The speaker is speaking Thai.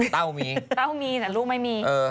เต้ามีแต่ลูกไม่มี